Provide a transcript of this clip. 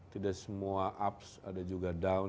tidak semua ups ada juga down